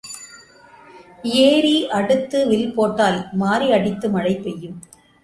ஏறி அடுத்து வில் போட்டால் மாறி அடித்து மழை பெய்யும்.